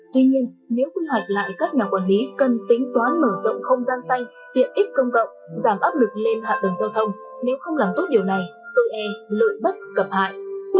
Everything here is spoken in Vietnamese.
tuy nhiên nếu quy hoạch lại các nhà quản lý cần tính toán mở rộng không gian xanh tiện ích công cộng giảm áp lực lên hạ tầng giao thông nếu không làm tốt điều này tôi e lợi bất cập hại